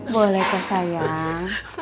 boleh kak sayang